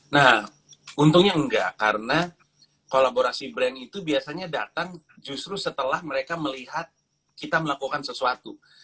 nah untungnya enggak karena kolaborasi brand itu biasanya datang justru setelah mereka melihat kita melakukan sesuatu